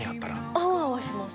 アワアワします